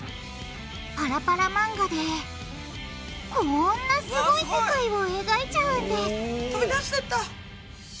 パラパラ漫画でこんなすごい世界を描いちゃうんです飛び出してった！